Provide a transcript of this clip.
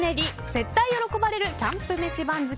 絶対喜ばれるキャンプ飯番付